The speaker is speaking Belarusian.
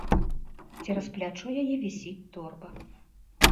Цераз плячо яе вісіць торба.